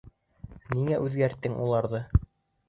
Ниңә үҙгәрттең уларҙы?